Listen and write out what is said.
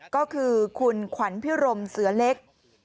ก็คือคุณขวัญพิรมเสือเล็ก